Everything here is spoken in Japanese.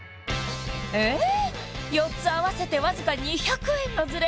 えっ４つ合わせてわずか２００円のズレ